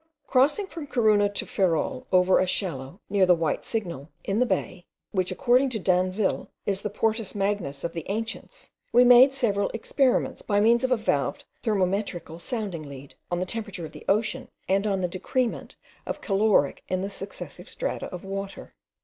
Crossing from Corunna to Ferrol, over a shallow, near the White Signal, in the bay, which according to D'Anville is the Portus Magnus of the ancients, we made several experiments by means of a valved thermometrical sounding lead, on the temperature of the ocean, and on the decrement of caloric in the successive strata of water.